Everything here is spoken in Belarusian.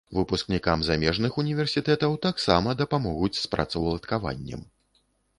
Выпускнікам замежных універсітэтаў таксама дапамогуць з працаўладкаваннем.